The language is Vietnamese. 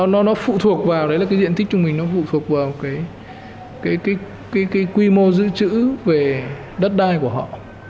nó phụ thuộc vào đấy là cái diện tích trung bình nó phụ thuộc vào cái quy mô dự trữ về đất đai của họ